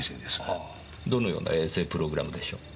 どのような衛星プログラムでしょう？